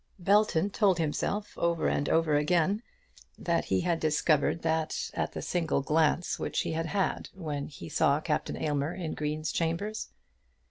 Belton told himself over and over again that he had discovered that at the single glance which he had had when he saw Captain Aylmer in Green's chambers.